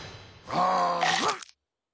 ああ！